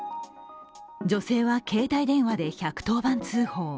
女性は携帯電話で１１０番通報。